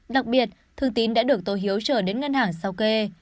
đặc biệt thương tín đã được tô hiếu trở đến ngân hàng sau kê